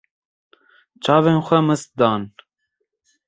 Çavên xwe mist dan.